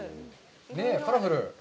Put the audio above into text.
カラフル。